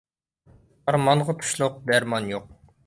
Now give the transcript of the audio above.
ئارمانغا تۇشلۇق دەرمان يوق!